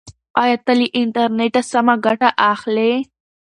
ایا ته له انټرنیټه سمه ګټه اخلې؟